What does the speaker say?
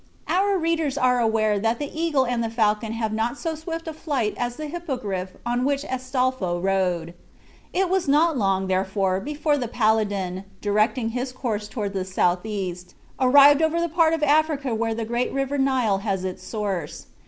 Our readers are aware that the eagle and the falcon have not so swift a flight as the Hippogriff on which Astolpho rode. It was not long, therefore, before the paladin, directing his course toward the southeast, arrived over that part of Africa where the great river Nile has its source.